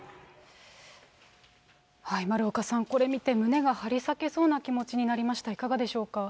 丸岡さん、これ見て、胸が張り裂けそうな気持ちになりました。